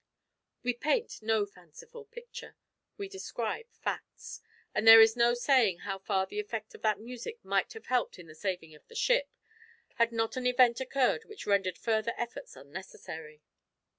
We paint no fanciful picture. We describe facts, and there is no saying how far the effect of that music might have helped in the saving of the ship, had not an event occurred which rendered further efforts unnecessary.